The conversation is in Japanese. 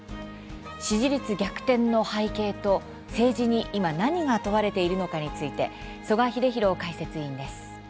支持率逆転の背景と、政治に今何が問われているのかについて曽我英弘解説委員です。